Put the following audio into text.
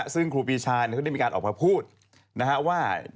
ซึ่งครูปีชาเขาได้มีการออกมาพูดนะฮะว่า